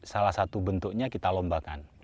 salah satu bentuknya kita lombakan